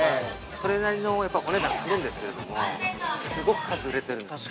◆それなりの値段がするんですけど、すごく数が売れているんですよ。